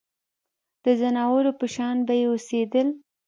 د ځناورو په شان به یې اوسېدل.